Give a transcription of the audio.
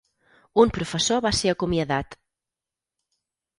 Un professor va ser acomiadat.